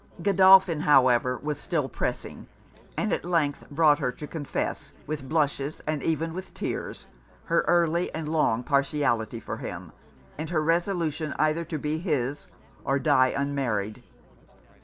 Godolphin, however, was still pressing; and at length brought her to confess, with blushes, and even with tears, her early and long partiality for him, and her resolution either to be his, or die unmarried.